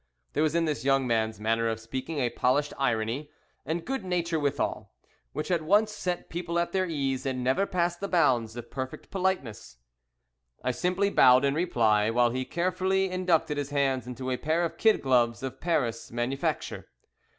There was in this young man's manner of speaking a polished irony, and good nature withal, which at once set people at their ease, and never passed the bounds of perfect politeness. I simply bowed in reply, while he carefully inducted his hands into a pair of kid gloves of Paris manufacture.